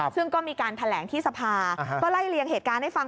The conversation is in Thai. ซึ่งก็มีการแถลงที่สภาก็ไล่เลียงเหตุการณ์ให้ฟัง